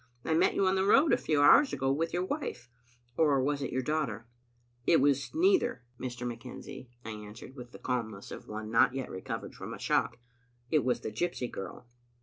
I met you on the road a few hours ago with your wife. Or was it your daughter?" "It was neither, Mr. McKenzie," I answered, with the calmness of one not yet recovered from a shock. " It was a gypsy girl.